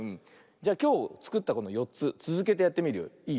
じゃきょうつくったこの４つつづけてやってみるよ。いい？